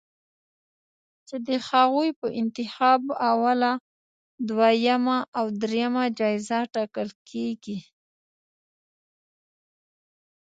چې د هغوی په انتخاب اوله، دویمه او دریمه جایزه ټاکل کېږي